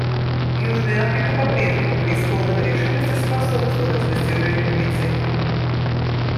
Южная Африка по-прежнему преисполнена решимости способствовать достижению этой цели.